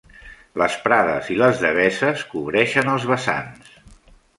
Les prades i les deveses cobreixen els vessants.